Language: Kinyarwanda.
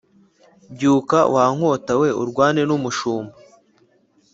Byuka wa nkota we urwane n’umushumba